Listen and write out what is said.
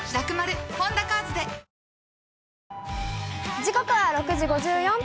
時刻は６時５４分。